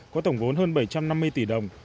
có tổng vốn hơn bảy trăm năm mươi tỷ đồng